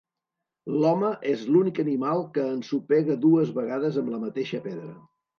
L'home és l'únic animal que ensopega dues vegades amb la mateixa pedra.